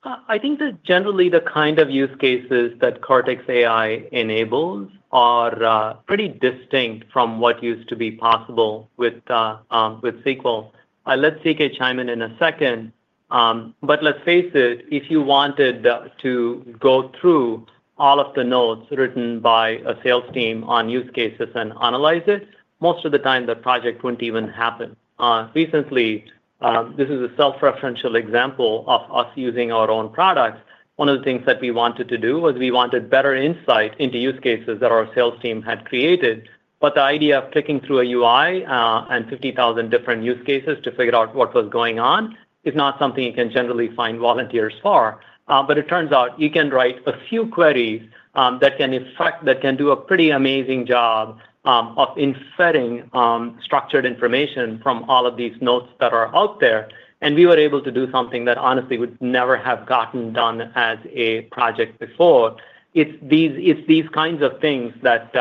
I think that generally, the kind of use cases that Cortex AI enables are pretty distinct from what used to be possible with SQL. Let's have Christian chime in in a second, but let's face it, if you wanted to go through all of the notes written by a sales team on use cases and analyze it, most of the time, the project wouldn't even happen. Recently, this is a self-referential example of us using our own products. One of the things that we wanted to do was we wanted better insight into use cases that our sales team had created, but the idea of clicking through a UI and 50,000 different use cases to figure out what was going on is not something you can generally find volunteers for. But it turns out you can write a few queries that can do a pretty amazing job of inferring structured information from all of these notes that are out there. And we were able to do something that honestly would never have gotten done as a project before. It's these kinds of things that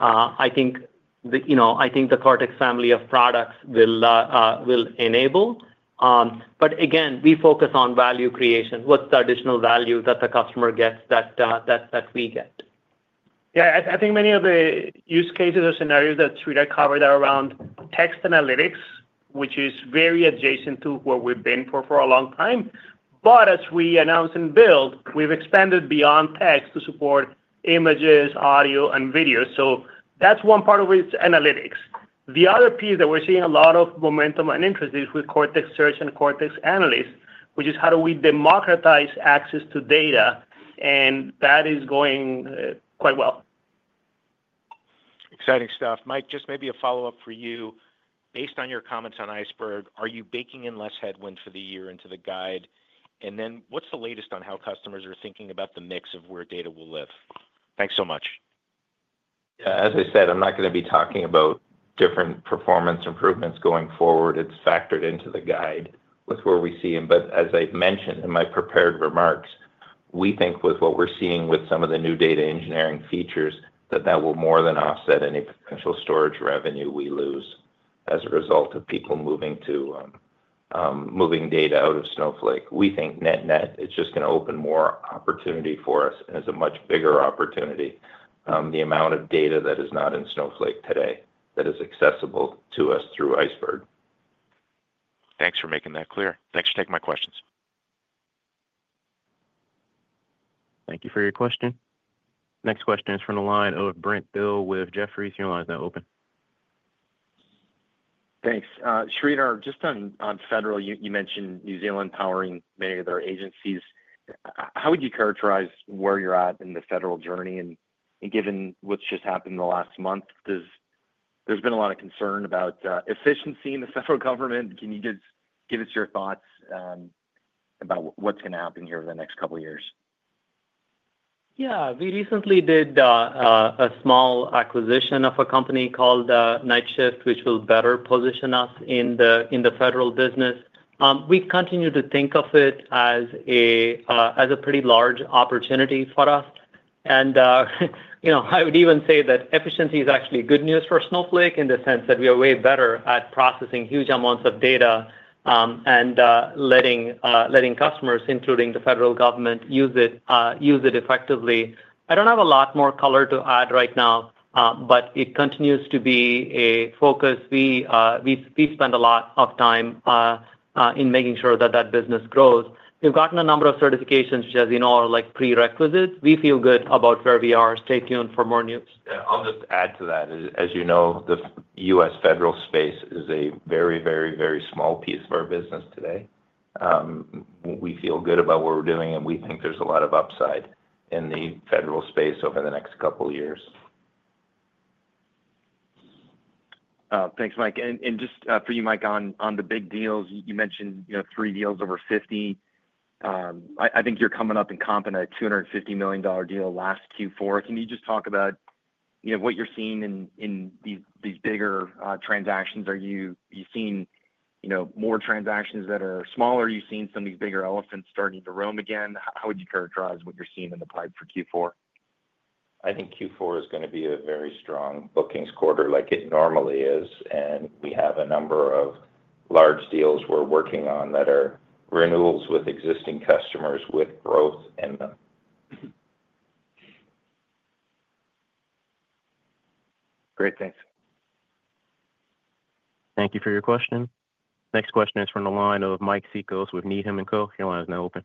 I think the Cortex family of products will enable. But again, we focus on value creation. What's the additional value that the customer gets that we get? Yeah. I think many of the use cases or scenarios that Sridhar covered are around text analytics, which is very adjacent to where we've been for a long time. But as we announce and build, we've expanded beyond text to support images, audio, and video. So that's one part of its analytics. The other piece that we're seeing a lot of momentum and interest is with Cortex Search and Cortex Analyst, which is how do we democratize access to data? And that is going quite well. Exciting stuff. Mike, just maybe a follow-up for you. Based on your comments on Iceberg, are you baking in less headwind for the year into the guide? And then what's the latest on how customers are thinking about the mix of where data will live? Thanks so much. Yeah. As I said, I'm not going to be talking about different performance improvements going forward. It's factored into the guide with where we see it. But as I mentioned in my prepared remarks, we think with what we're seeing with some of the new data engineering features that that will more than offset any potential storage revenue we lose as a result of people moving data out of Snowflake. We think net-net is just going to open more opportunity for us and is a much bigger opportunity. The amount of data that is not in Snowflake today that is accessible to us through Iceberg. Thanks for making that clear. Thanks for taking my questions. Thank you for your question. Next question is from the line of Brent Thill with Jeffries. Your line is now open. Thanks. Sridhar, just on federal, you mentioned New Zealand powering many of their agencies. How would you characterize where you're at in the federal journey? And given what's just happened in the last month, there's been a lot of concern about efficiency in the federal government. Can you just give us your thoughts about what's going to happen here over the next couple of years? Yeah. We recently did a small acquisition of a company called Night Shift, which will better position us in the federal business. We continue to think of it as a pretty large opportunity for us. And I would even say that efficiency is actually good news for Snowflake in the sense that we are way better at processing huge amounts of data and letting customers, including the federal government, use it effectively. I don't have a lot more color to add right now, but it continues to be a focus. We spend a lot of time in making sure that that business grows. We've gotten a number of certifications, which, as you know, are prerequisites. We feel good about where we are. Stay tuned for more news. Yeah. I'll just add to that. As you know, the U.S. federal space is a very, very, very small piece of our business today. We feel good about what we're doing, and we think there's a lot of upside in the federal space over the next couple of years. Thanks, Mike, and just for you, Mike, on the big deals, you mentioned three deals over 50. I think you're coming up in comments at a $250 million deal last Q4. Can you just talk about what you're seeing in these bigger transactions? Are you seeing more transactions that are smaller? Are you seeing some of these bigger elephants starting to roam again? How would you characterize what you're seeing in the pipe for Q4? I think Q4 is going to be a very strong bookings quarter like it normally is, and we have a number of large deals we're working on that are renewals with existing customers with growth in them. Great. Thanks. Thank you for your question. Next question is from the line of Mike Cikos with Needham & Co. Your line is now open.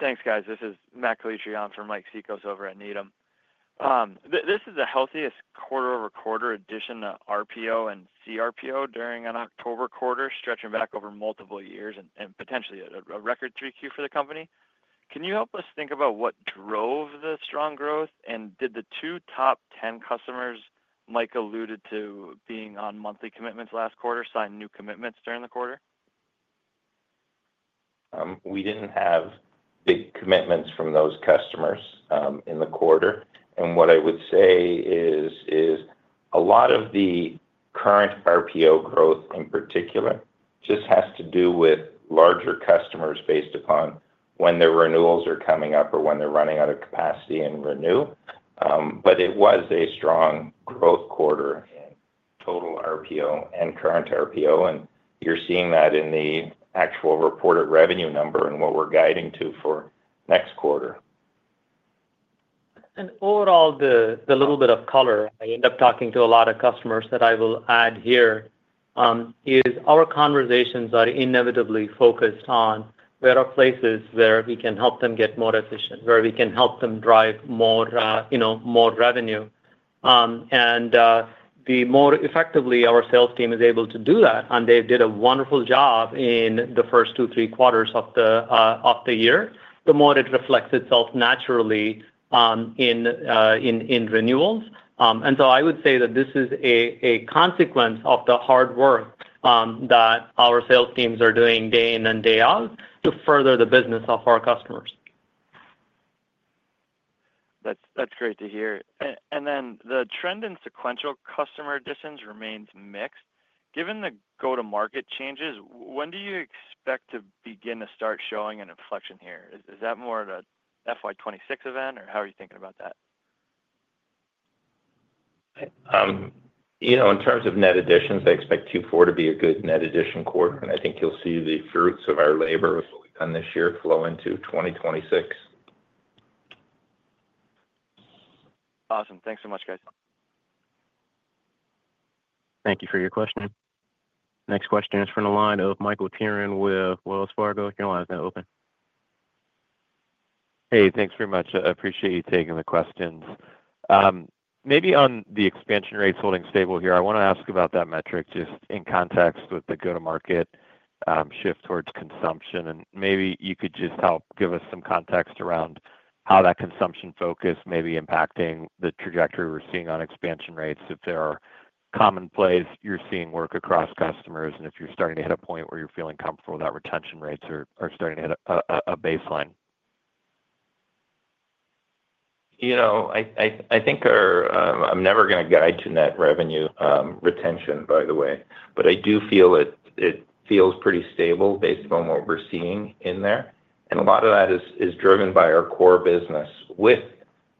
Thanks, guys. This is Matt Calicchio from Mike Cikos over at Needham. This is the healthiest quarter-over-quarter addition to RPO and CRPO during an October quarter, stretching back over multiple years and potentially a record three-Q for the company. Can you help us think about what drove the strong growth? And did the two top 10 customers, Mike alluded to being on monthly commitments last quarter, sign new commitments during the quarter? We didn't have big commitments from those customers in the quarter. And what I would say is a lot of the current RPO growth in particular just has to do with larger customers based upon when their renewals are coming up or when they're running out of capacity and renew. But it was a strong growth quarter in total RPO and current RPO. And you're seeing that in the actual reported revenue number and what we're guiding to for next quarter. Overall, the little bit of color I end up talking to a lot of customers that I will add here is our conversations are inevitably focused on where are places where we can help them get more efficient, where we can help them drive more revenue. The more effectively our sales team is able to do that, and they did a wonderful job in the first two, three quarters of the year, the more it reflects itself naturally in renewals. I would say that this is a consequence of the hard work that our sales teams are doing day in and day out to further the business of our customers. That's great to hear. And then the trend in sequential customer additions remains mixed. Given the go-to-market changes, when do you expect to begin to start showing an inflection here? Is that more of an FY2026 event, or how are you thinking about that? In terms of net additions, I expect Q4 to be a good net addition quarter. And I think you'll see the fruits of our labor with what we've done this year flow into 2026. Awesome. Thanks so much, guys. Thank you for your question. Next question is from the line of Michael Turrin with Wells Fargo. Your line is now open. Hey, thanks very much. I appreciate you taking the questions. Maybe on the expansion rates holding stable here, I want to ask about that metric just in context with the go-to-market shift towards consumption. And maybe you could just help give us some context around how that consumption focus may be impacting the trajectory we're seeing on expansion rates, if they're commonplace, you're seeing work across customers, and if you're starting to hit a point where you're feeling comfortable that retention rates are starting to hit a baseline. I think I'm never going to guide to net revenue retention, by the way. But I do feel it feels pretty stable based on what we're seeing in there. And a lot of that is driven by our core business with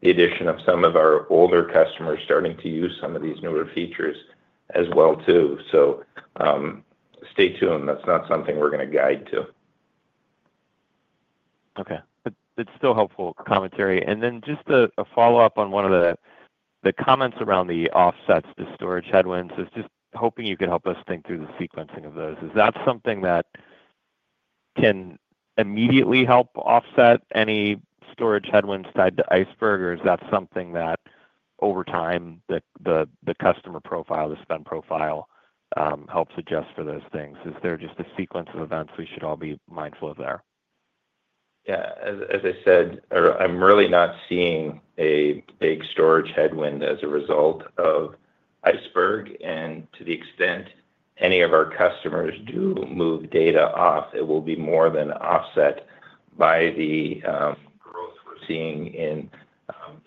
the addition of some of our older customers starting to use some of these newer features as well too. So stay tuned. That's not something we're going to guide to. Okay. That's still helpful commentary. And then just a follow-up on one of the comments around the offsets, the storage headwinds. I was just hoping you could help us think through the sequencing of those. Is that something that can immediately help offset any storage headwinds tied to Iceberg, or is that something that over time the customer profile, the spend profile helps adjust for those things? Is there just a sequence of events we should all be mindful of there? Yeah. As I said, I'm really not seeing a big storage headwind as a result of Iceberg. And to the extent any of our customers do move data off, it will be more than offset by the growth we're seeing in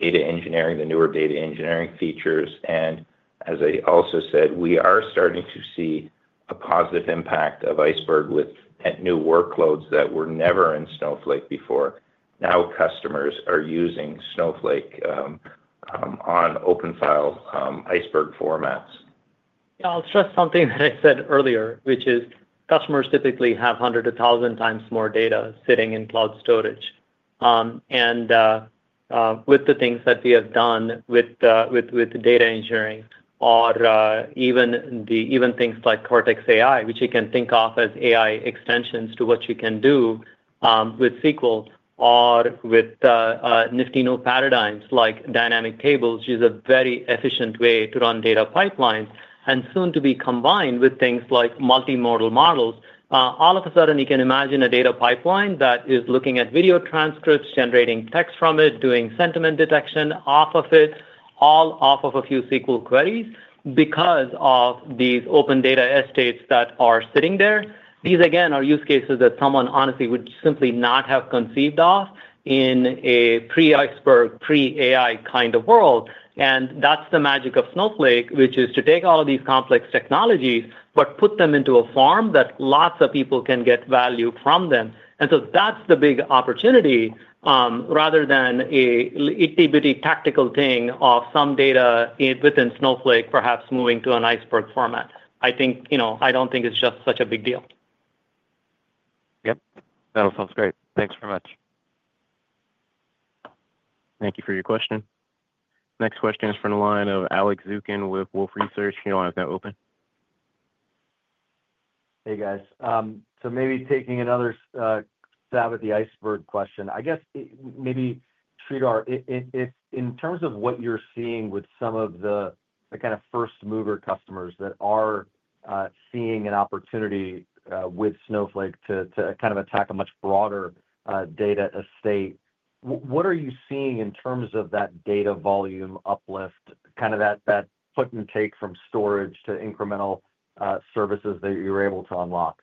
data engineering, the newer data engineering features. And as I also said, we are starting to see a positive impact of Iceberg with new workloads that were never in Snowflake before. Now customers are using Snowflake on open file Iceberg formats. Yeah. I'll stress something that I said earlier, which is customers typically have hundreds of thousands of times more data sitting in cloud storage. And with the things that we have done with the data engineering or even things like Cortex AI, which you can think of as AI extensions to what you can do with SQL or with Snowflake Notebooks paradigms like Dynamic Tables, which is a very efficient way to run data pipelines and soon to be combined with things like multimodal models. All of a sudden, you can imagine a data pipeline that is looking at video transcripts, generating text from it, doing sentiment detection off of it, all off of a few SQL queries because of these open data estates that are sitting there. These, again, are use cases that someone honestly would simply not have conceived of in a pre-Iceberg, pre-AI kind of world. And that's the magic of Snowflake, which is to take all of these complex technologies but put them into a form that lots of people can get value from them. And so that's the big opportunity rather than an itty-bitty tactical thing of some data within Snowflake perhaps moving to an Iceberg format. I don't think it's just such a big deal. Yep. That all sounds great. Thanks very much. Thank you for your question. Next question is from the line of Alex Zukin with Wolfe Research. Your line is now open. Hey, guys. So maybe taking another stab at the Iceberg question, I guess maybe Sridhar, in terms of what you're seeing with some of the kind of first-mover customers that are seeing an opportunity with Snowflake to kind of attack a much broader data estate, what are you seeing in terms of that data volume uplift, kind of that put and take from storage to incremental services that you're able to unlock?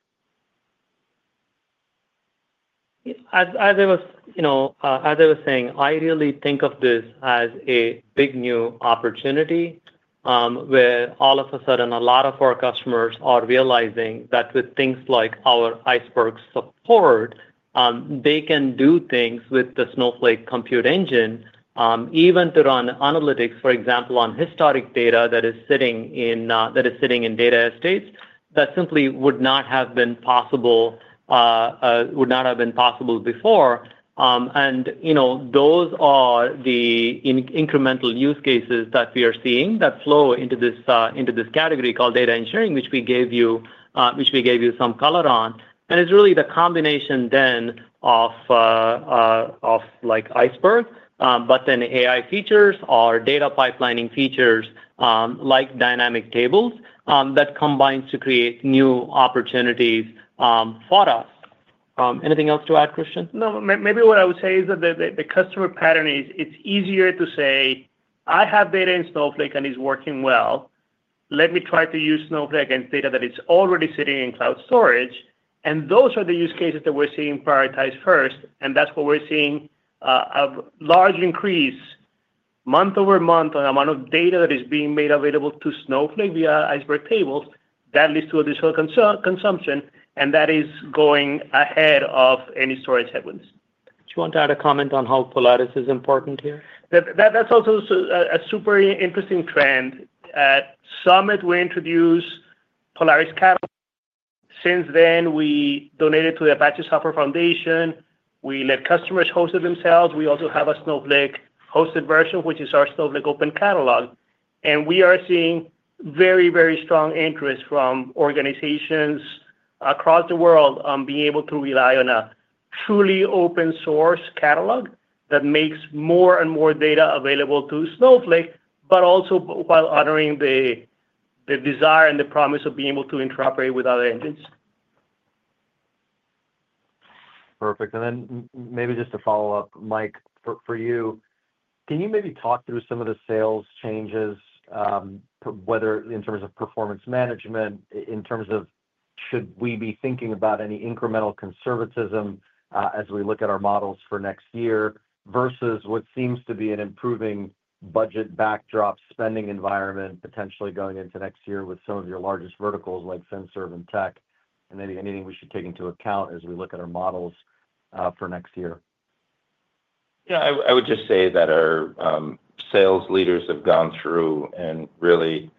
As I was saying, I really think of this as a big new opportunity where all of a sudden a lot of our customers are realizing that with things like our Iceberg support, they can do things with the Snowflake Compute Engine, even to run analytics, for example, on historic data that is sitting in data estates that simply would not have been possible, would not have been possible before. And those are the incremental use cases that we are seeing that flow into this category called data engineering, which we gave you some color on. And it's really the combination then of Iceberg, but then AI features or data pipelining features like Dynamic Tables that combines to create new opportunities for us. Anything else to add, Christian? No. Maybe what I would say is that the customer pattern is it's easier to say, "I have data in Snowflake, and it's working well. Let me try to use Snowflake against data that is already sitting in cloud storage." And those are the use cases that we're seeing prioritized first. And that's what we're seeing: a large increase month over month on the amount of data that is being made available to Snowflake via Iceberg tables that leads to additional consumption, and that is going ahead of any storage headwinds. Do you want to add a comment on how Polaris is important here? That's also a super interesting trend. At Summit, we introduced Polaris Catalog. Since then, we donated to the Apache Software Foundation. We let customers host it themselves. We also have a Snowflake hosted version, which is our Snowflake Open Catalog. And we are seeing very, very strong interest from organizations across the world being able to rely on a truly open-source catalog that makes more and more data available to Snowflake, but also while honoring the desire and the promise of being able to interoperate with other engines. Perfect. And then maybe just to follow up, Mike, for you, can you maybe talk through some of the sales changes, whether in terms of performance management, in terms of should we be thinking about any incremental conservatism as we look at our models for next year versus what seems to be an improving budget backdrop spending environment potentially going into next year with some of your largest verticals like Finserv and tech? And maybe anything we should take into account as we look at our models for next year? Yeah. I would just say that our sales leaders have gone through and really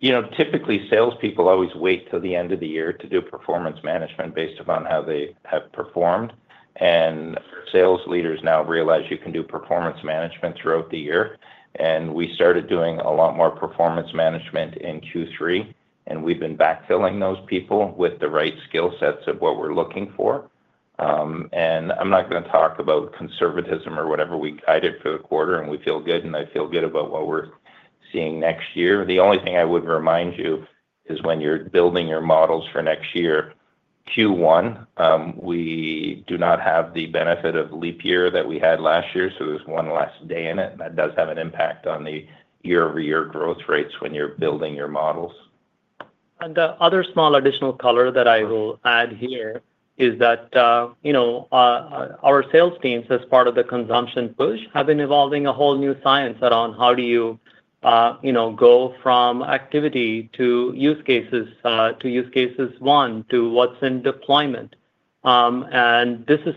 typically salespeople always wait till the end of the year to do performance management based upon how they have performed. And sales leaders now realize you can do performance management throughout the year. And we started doing a lot more performance management in Q3. And we've been backfilling those people with the right skill sets of what we're looking for. And I'm not going to talk about conservatism or whatever. We guided for the quarter, and we feel good, and I feel good about what we're seeing next year. The only thing I would remind you is when you're building your models for next year, Q1, we do not have the benefit of leap year that we had last year. So there's one less day in it. That does have an impact on the year-over-year growth rates when you're building your models. And the other small additional color that I will add here is that our sales teams, as part of the consumption push, have been evolving a whole new science around how do you go from activity to use cases to use cases one to what's in deployment. And this is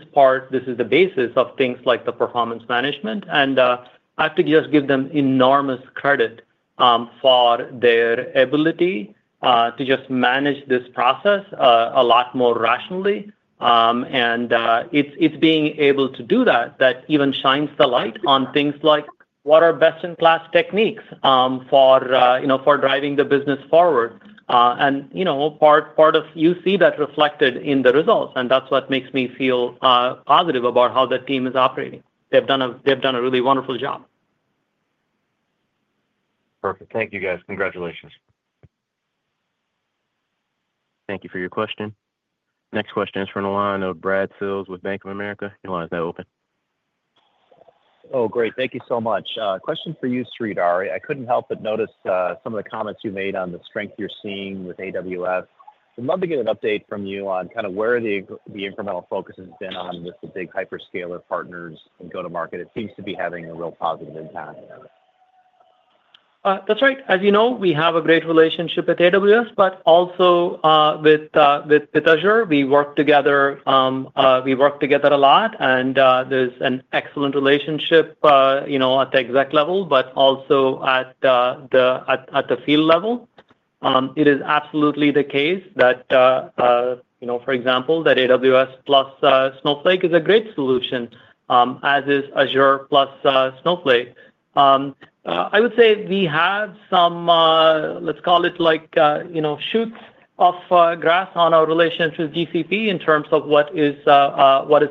the basis of things like the performance management. And I have to just give them enormous credit for their ability to just manage this process a lot more rationally. And it's being able to do that that even shines the light on things like what are best-in-class techniques for driving the business forward. And part of you see that reflected in the results. And that's what makes me feel positive about how the team is operating. They've done a really wonderful job. Perfect. Thank you, guys. Congratulations. Thank you for your question. Next question is from the line of Brad Sills with Bank of America. Your line is now open. Oh, great. Thank you so much. Question for you, Sridhar. I couldn't help but notice some of the comments you made on the strength you're seeing with AWS. Would love to get an update from you on kind of where the incremental focus has been on with the big hyperscaler partners and go-to-market. It seems to be having a real positive impact. That's right. As you know, we have a great relationship with AWS, but also with Azure. We work together a lot. And there's an excellent relationship at the exec level, but also at the field level. It is absolutely the case that, for example, that AWS plus Snowflake is a great solution, as is Azure plus Snowflake. I would say we have some, let's call it, green shoots on our relationship with GCP in terms of what is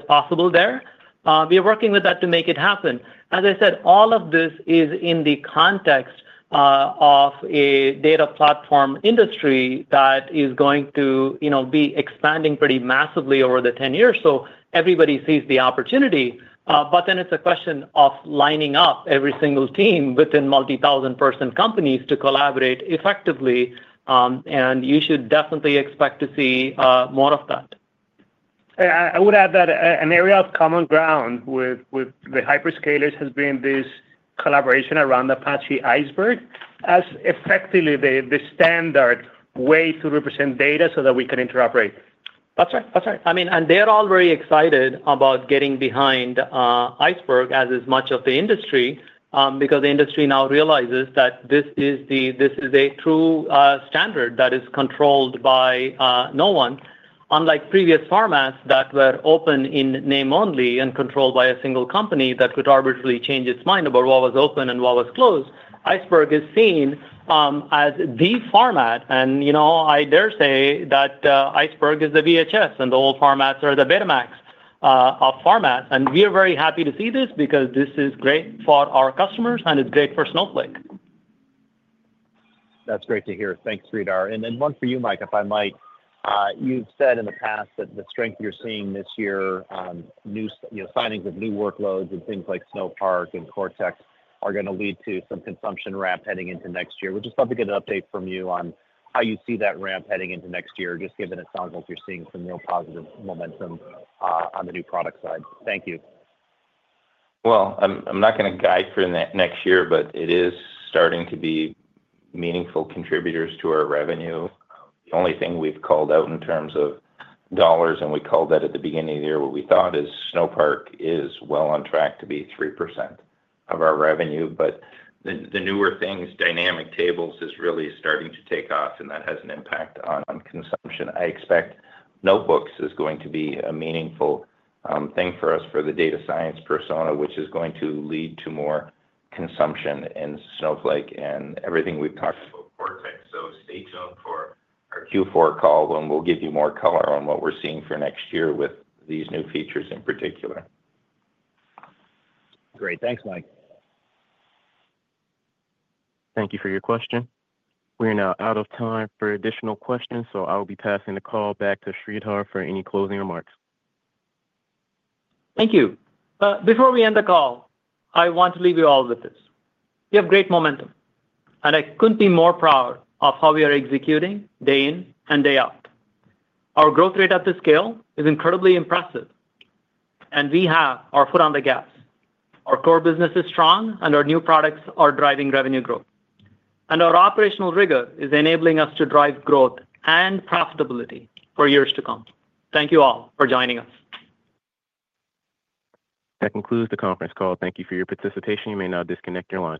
possible there. We are working with that to make it happen. As I said, all of this is in the context of a data platform industry that is going to be expanding pretty massively over the 10 years. So everybody sees the opportunity. But then it's a question of lining up every single team within multi-thousand-person companies to collaborate effectively. And you should definitely expect to see more of that. I would add that an area of common ground with the hyperscalers has been this collaboration around Apache Iceberg as effectively the standard way to represent data so that we can interoperate. That's right. That's right. I mean, and they're all very excited about getting behind Iceberg as is much of the industry because the industry now realizes that this is a true standard that is controlled by no one. Unlike previous formats that were open in name only and controlled by a single company that could arbitrarily change its mind about what was open and what was closed, Iceberg is seen as the format, and I dare say that Iceberg is the VHS, and the old formats are the Betamax formats, and we are very happy to see this because this is great for our customers, and it's great for Snowflake. That's great to hear. Thanks, Sridhar. And then one for you, Mike, if I might. You've said in the past that the strength you're seeing this year, signings of new workloads and things like Snowpark and Cortex are going to lead to some consumption ramp heading into next year. We'd just love to get an update from you on how you see that ramp heading into next year, just given it sounds like you're seeing some real positive momentum on the new product side. Thank you. I'm not going to guide for next year, but it is starting to be meaningful contributors to our revenue. The only thing we've called out in terms of dollars, and we called that at the beginning of the year, what we thought is Snowpark is well on track to be 3% of our revenue. But the newer things, dynamic tables, is really starting to take off, and that has an impact on consumption. I expect notebooks is going to be a meaningful thing for us for the data science persona, which is going to lead to more consumption in Snowflake and everything we've talked about Cortex. So stay tuned for our Q4 call, and we'll give you more color on what we're seeing for next year with these new features in particular. Great. Thanks, Mike. Thank you for your question. We are now out of time for additional questions. So I'll be passing the call back to Sridhar for any closing remarks. Thank you. Before we end the call, I want to leave you all with this. We have great momentum, and I couldn't be more proud of how we are executing day in and day out. Our growth rate at this scale is incredibly impressive, and we have our foot on the gas. Our core business is strong, and our new products are driving revenue growth, and our operational rigor is enabling us to drive growth and profitability for years to come. Thank you all for joining us. That concludes the conference call. Thank you for your participation. You may now disconnect your line.